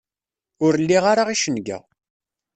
Ur liɣ ara icenga.